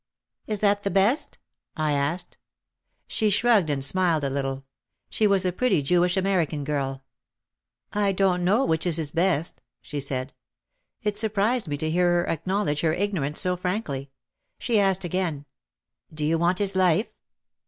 "Is that the best?" I asked. She shrugged and smiled a little. She was a pretty Jewish American girl. "I don't know which is his best," she said. It surprised me to hear her acknowledge her ignorance so frankly. She asked again, "Do you want his life?"